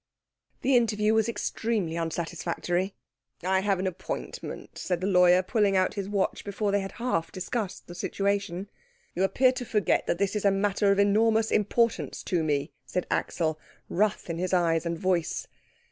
The interview was extremely unsatisfactory. "I have an appointment," said the lawyer, pulling out his watch before they had half discussed the situation. "You appear to forget that this is a matter of enormous importance to me," said Axel, wrath in his eyes and voice.